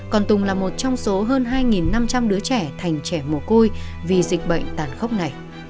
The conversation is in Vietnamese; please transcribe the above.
còn tùng là một trong số hơn hai năm trăm linh đứa trẻ thành trẻ mồ côi vì dịch bệnh tàn khốc này